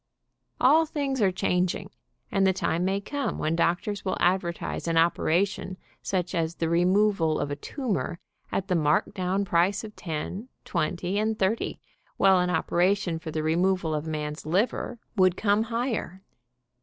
All things are changing, and the time may come when doctors will advertise an operation such as the removal of a tumor at the marked down price of ten, twenty and thirty, while an operation for the removal of a man's liver would come higher.